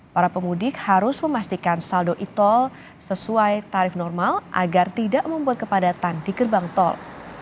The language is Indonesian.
para pemudik harus memastikan saldo e tol sesuai tarif normal agar tidak membuat kepadatan di gerbang tol